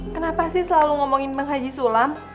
kenapa sih selalu ngomongin tentang haji sulam